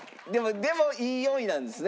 でもいい４位なんですね。